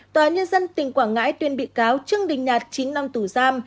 tòa nhân dân tỉnh quảng ngãi tuyên bị cáo trương đình nhạt chín năm tù giam